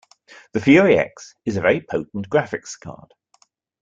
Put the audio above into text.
The Fury X is a very potent graphics card.